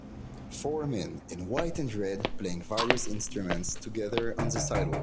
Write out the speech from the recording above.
Four men in white and red play various instruments together on the sidewalk.